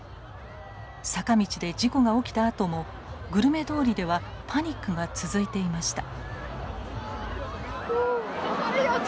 坂道で事故が起きたあともグルメ通りではパニックが続いていました。